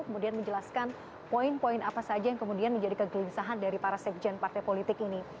kemudian menjelaskan poin poin apa saja yang kemudian menjadi kegelisahan dari para sekjen partai politik ini